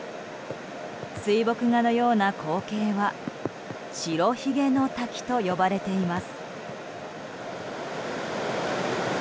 水墨画のような光景は白ひげの滝と呼ばれています。